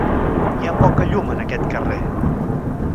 Hi ha poca llum en aquest carrer.